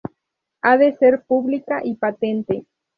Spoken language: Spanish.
Ha de ser "pública y patente".